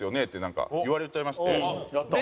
ってなんか言われちゃいまして。